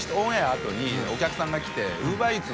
あとにお客さんが来てΑ璽